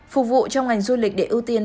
phục vụ trong ngành du lịch để ưu tiên